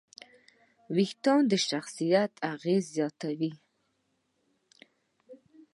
وېښتيان د شخصیت اغېز زیاتوي.